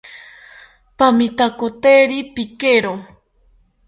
Pamitakoteri pikero